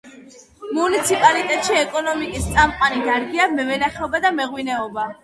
მუნიციპალიტეტში ეკონომიკის წამყვანი დარგია მევენახეობა და მეღვინეობა.